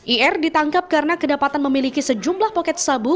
ir ditangkap karena kedapatan memiliki sejumlah poket sabu